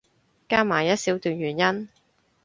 加埋一小段原因